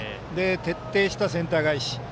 徹底したセンター返し。